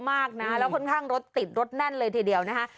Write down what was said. มากนะแล้วค่อนข้างรถติดรถแน่นเลยทีเดียวนะคะ